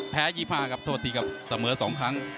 แพ้๒๕ครับโทษทีกับเสมอ๒ครั้ง